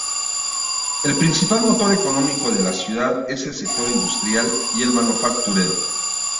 El principal motor económico de la ciudad es el sector industrial y el manufacturero.